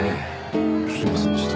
すいませんでした。